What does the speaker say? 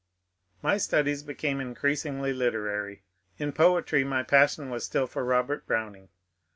My studies became increasingly literary. In poetry my passion was still for Robert Browning.